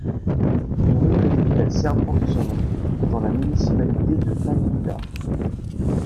Une rue de la capitale serbe porte son nom, dans la municipalité de Palilula.